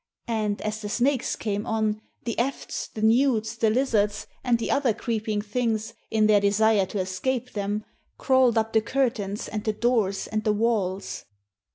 And, as the snakes came on, the efts, the newts, the lizards, and the other creeping things, in their desire to escape them, crawled up the curtains, and the doors, and the walls.